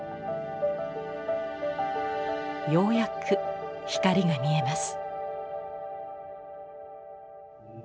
ようやく光が見えます。